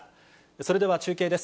それでは中継です。